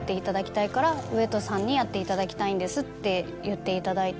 上戸さんにやっていただきたいんですって言っていただいて。